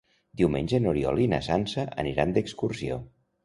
Diumenge n'Oriol i na Sança aniran d'excursió.